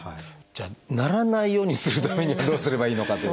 じゃあならないようにするためにはどうすればいいのかってことですが。